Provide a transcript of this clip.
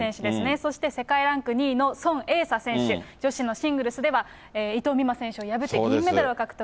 そして世界ランク２位の孫エイサ選手、女子のシングルスでは、伊藤美誠選手を破って銀メダルを獲得。